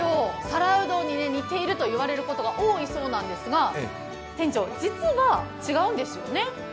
皿うどんに似ていると言われることが多いそうなんですが店長、実は違うんですよね？